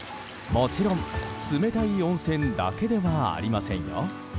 もちろん、冷たい温泉だけではありませんよ。